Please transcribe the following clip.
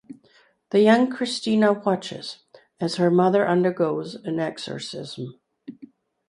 A young Cristina watches as her mother undergoes an exorcism.